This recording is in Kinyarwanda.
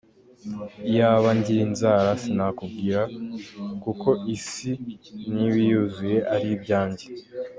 “Iyaba ngira inzara sinakubwira, Kuko isi n’ibiyuzuye ari ibyanjye.